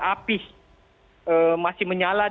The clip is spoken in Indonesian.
api masih menyala